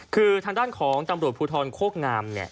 คือทางด้านของตำรวจภูทรโคกงามเนี่ย